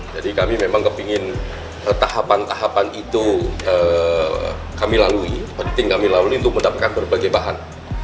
jadi kami memang kepingin tahapan tahapan itu kami lalui penting kami lalui untuk mendapatkan berbagai bahan